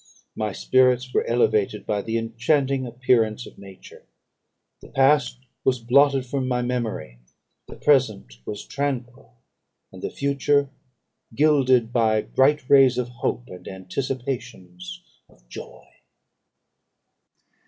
My spirits were elevated by the enchanting appearance of nature; the past was blotted from my memory, the present was tranquil, and the future gilded by bright rays of hope, and anticipations of joy."